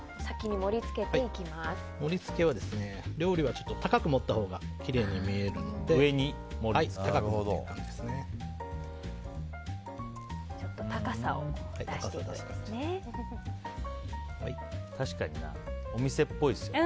盛り付けは料理はちょっと高く盛ったほうがきれいに見えるので高く盛っていく感じですね。